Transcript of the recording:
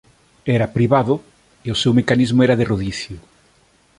Era privado e o seu mecanismo era de rodicio.